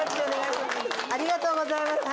ありがとうございます。